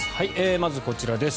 まずこちらです。